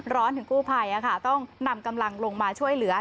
ถึงกู้ภัยต้องนำกำลังลงมาช่วยเหลือ